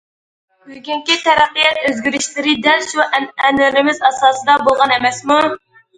بۈگۈنكى تەرەققىيات ئۆزگىرىشلىرى دەل شۇ ئەنئەنىلىرىمىز ئاساسىدا بولغان ئەمەسمۇ.